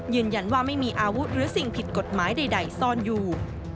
ยืนยันว่าไม่มีอาวุธหรือสิ่งผิดกฎหมายใดซ่อนอยู่